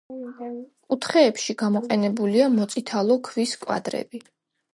კუთხეებში გამოყენებულია მოწითალო ქვის კვადრები.